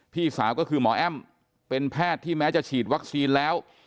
พี่สาวก็คือหมอแอ้มเป็นแพทย์ที่แม้จะฉีดวัคซีนแล้ว